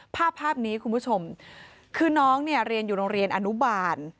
ภาพภาพนี้คุณผู้ชมคือน้องเนี่ยเรียนอยู่โรงเรียนอนุบาล